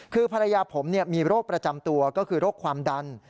คือภรรยาผมมีโรคประจำตัวก็คือโรคความดัน